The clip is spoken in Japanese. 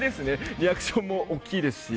リアクションも大きいですし。